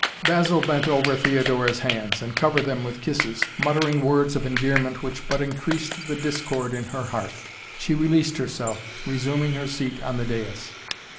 Basil bent over Theodora's hands, and covered them with kisses, muttering words of endearment which but increased the discord in her heart. She released herself, resuming her seat on the dais.